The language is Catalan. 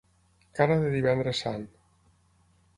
Cara de Divendres Sant.